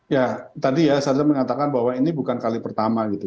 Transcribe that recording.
ya tadi ya sadra menyatakan bahwa ini bukan kali pertama gitu